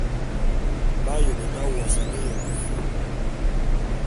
B'aye beta wosane éyon éfe.